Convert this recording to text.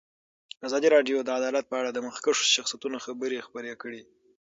ازادي راډیو د عدالت په اړه د مخکښو شخصیتونو خبرې خپرې کړي.